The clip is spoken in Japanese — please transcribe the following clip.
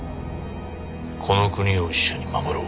この国を一緒に守ろう。